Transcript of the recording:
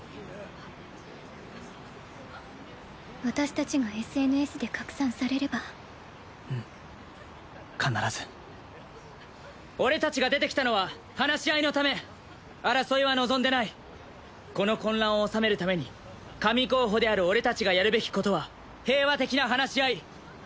私達がＳＮＳで拡散されればうん必ず俺達が出てきたのは話し合いのため争いは望んでないこの混乱を収めるために神候補である俺達がやるべきことは平和的な話し合い